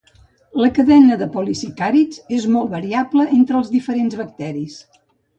La cadena de polisacàrids és molt variable entre els diferents bacteris.